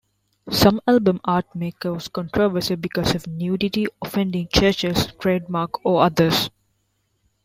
Some album art may cause controversy because of nudity, offending churches, trademark or others.